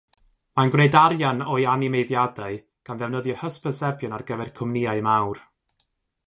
Mae'n gwneud arian o'i animeiddiadau gan ddefnyddio hysbysebion ar gyfer cwmnïau mawr.